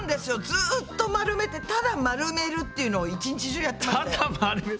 ずっと丸めてただ丸めるっていうのを一日中やってましたよ。